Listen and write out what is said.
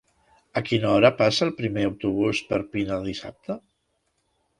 A quina hora passa el primer autobús per Pina dissabte?